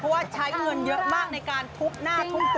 เพราะว่าใช้เงินเยอะมากในการทุบหน้าทุบ